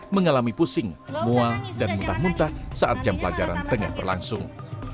mengalami pusing mual dan muntah muntah saat jam pelajaran tengah berlangsung